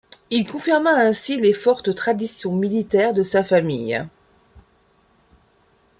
Il confirma ainsi les fortes traditions militaires de sa famille.